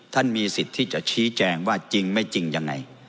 ท่านมีสิทธิ์ที่จะชิ้นแจ้งว่าจริงไม่จริงอย่างไร